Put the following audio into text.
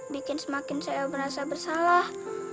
bikin semakin saya merasa bersalah